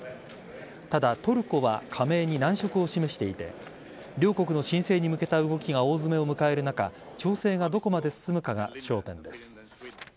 ただ、トルコは加盟に難色を示していて両国の申請に向けた動きが大詰めを迎える中調整がどこまで進むかが焦点です。